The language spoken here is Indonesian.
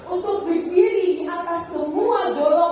untuk berdiri di atas semua dologan